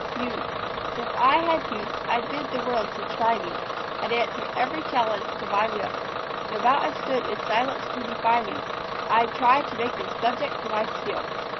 YOUTH If I had youth I'd bid the world to try me; I'd answer every challenge to my will. Though mountains stood in silence to defy me, I'd try to make them subject to my skill.